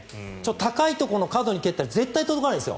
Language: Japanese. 高いところの角に蹴ったら絶対に届かないですよ。